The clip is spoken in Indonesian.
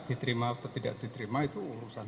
diterima atau tidak diterima itu urusan